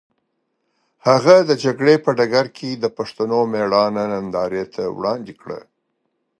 هغه د جګړې په ډګر کې د پښتنو مېړانه نندارې ته وړاندې کړه.